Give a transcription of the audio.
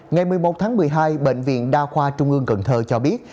ngày một mươi một tháng một mươi hai bệnh viện đa khoa trung ương cần thơ cho biết